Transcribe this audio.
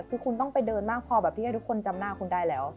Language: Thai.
คือคุณต้องไปเดินมากพอแบบที่ให้ทุกคนจำหน้าคุณได้แล้ว